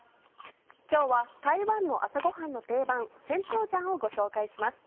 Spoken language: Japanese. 今日は台湾の朝ごはんの定番「鹹豆漿」をご紹介します。